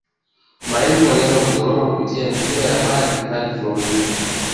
Maelfu walianza kutoroka kupitia njia ya maji hadi Florida